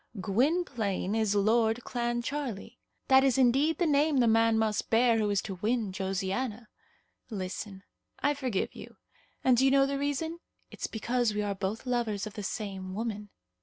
Gwynplaine is Lord Clancharlie. That is indeed the name the man must bear who is to win Josiana. Listen. I forgive you; and do you know the reason? It's because we are both lovers of the same woman."